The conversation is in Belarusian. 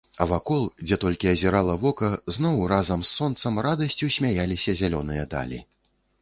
А вакол, дзе толькі азірала вока, зноў разам з сонцам радасцю смяяліся зялёныя далі!